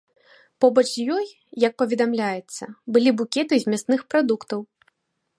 Побач з ёй, як паведамляецца, былі букеты з мясных прадуктаў.